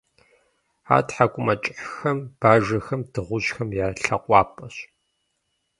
Ар тхьэкӀумэкӀыхьхэм, бажэхэм, дыгъужьхэм я лъэкъуапӀэщ.